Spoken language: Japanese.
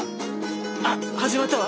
あっ始まったわ！